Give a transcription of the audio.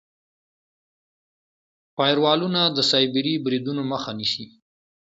فایروالونه د سایبري بریدونو مخه نیسي.